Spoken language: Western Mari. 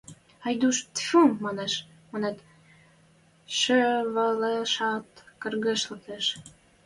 Айдуш «тфу!» манын шӹвӓлешӓт, кыргыж лӓктеш.